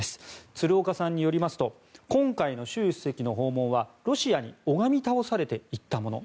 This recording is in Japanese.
鶴岡さんによりますと今回の習主席の訪問はロシアに拝み倒されて行ったもの。